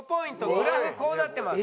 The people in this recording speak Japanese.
グラフこうなってます。